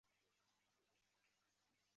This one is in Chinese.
乌鲁苏伊是巴西皮奥伊州的一个市镇。